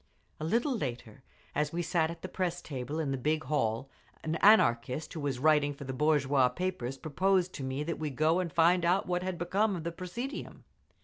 A little later, as we sat at the press table in the big hall, an Anarchist who was writing for the bourgeois papers proposed to me that we go and find out what had become of the presidium.